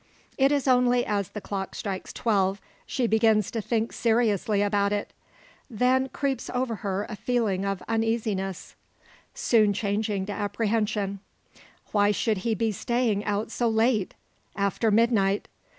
It is only as the clock strikes twelve, she begins to think seriously about it. Then creeps over her a feeling of uneasiness, soon changing to apprehension. Why should he be staying out so late after midnight?